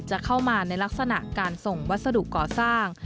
จะเข้ามาในลักษณะการส่งวัสดุก่อสร้าง